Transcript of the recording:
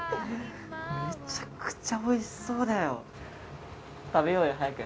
めちゃくちゃおいしそうだよ。